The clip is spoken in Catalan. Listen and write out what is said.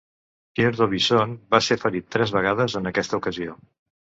Pierre d'Aubusson va ser ferit tres vegades en aquesta ocasió.